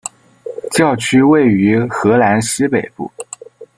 教区位于荷兰西北部。